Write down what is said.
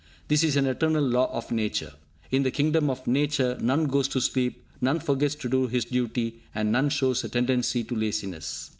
This is an eternal law of Nature. In the kingdom of Nature, none goes to sleep, none forgets to do his duty, and none shows a tendency to laziness.